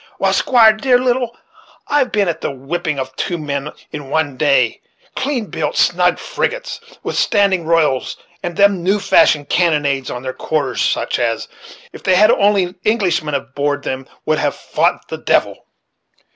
Why, Squire Doolittle, I've been at the whipping of two of them in one day clean built, snug frigates with standing royals and them new fashioned cannonades on their quarters such as, if they had only Englishmen aboard of them, would have fout the devil."